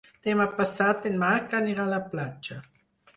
Demà passat en Marc anirà a la platja.